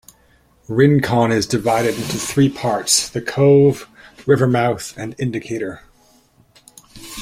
Rincon is divided into three parts: the Cove, Rivermouth, and Indicator.